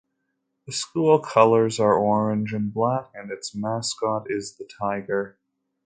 The school colors are orange and black and its mascot is the tiger.